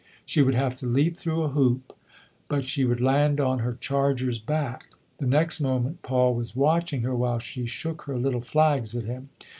She would have to leap through a hoop, but she would land on her charger's back. The next moment Paul was watching her while she shook her little flags at him.